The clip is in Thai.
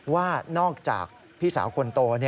ว่านอกจากพี่สาวคนโต